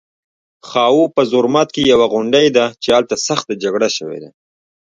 خاوو په زرمت کې یوه غونډۍ ده چې هلته سخته جګړه شوې وه